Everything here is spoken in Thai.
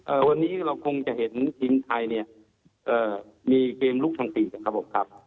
วันนี้เราคงจะเห็นทีมไทยเนี่ยเอ่อมีเกมลุกทางสี่นะครับผมครับ